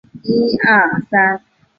伊藤被任命为游戏的总监。